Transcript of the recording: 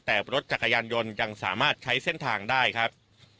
แต่รถจักรยานยนต์ยังสามารถใช้เส้นทางได้ครับ